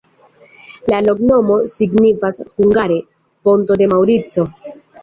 La loknomo signifas hungare: ponto de Maŭrico.